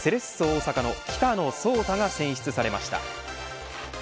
大阪の北野颯太が選出されました。